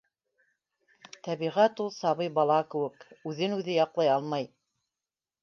Тәбиғәт ул — сабый бала кеүек, үҙен-үҙе яҡ лай алмай